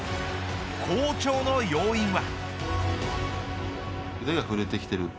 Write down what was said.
好調の要因は。